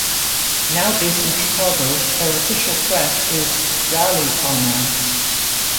Now based in Chicago, their official press is Rally, Comrades!